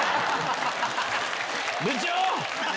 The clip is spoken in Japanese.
部長！